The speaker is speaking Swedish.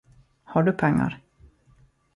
Har du pengar?